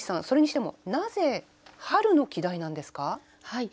それにしてもなぜ春の季題なんですか？